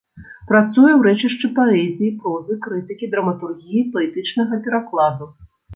Працуе ў рэчышчы паэзіі, прозы, крытыкі, драматургіі, паэтычнага перакладу.